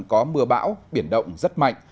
có mưa bão biển động rất mạnh